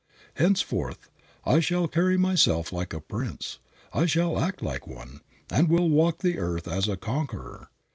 Henceforth I shall carry myself like a prince. I will act like one, and will walk the earth as a conqueror.